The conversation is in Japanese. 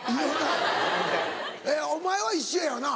えっお前は一緒やよな？